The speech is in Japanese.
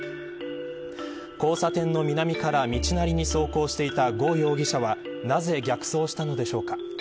交差点の南から、道なりに走行していた呉容疑者はなぜ逆走したのでしょうか。